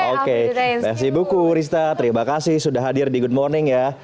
oke nasi buku rista terima kasih sudah hadir di good morning ya